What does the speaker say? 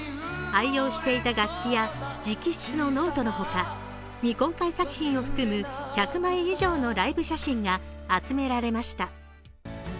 愛用していた楽器や直筆のノートの他未公開作品を含む１００枚以上のライブ写真が集められました。